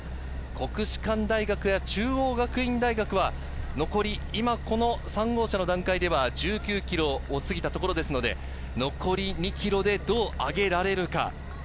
国士舘大学や中央学院大学は残り今、この３号車の段階では１９ｋｍを過ぎたところですので、残り２ｋｍでどうを上げられるか。